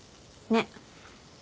ねっ。